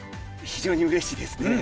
非常にうれしいですね。